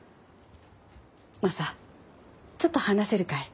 マサちょっと話せるかい？